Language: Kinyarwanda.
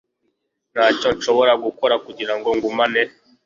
ntacyo nshobora gukora kugirango ngumane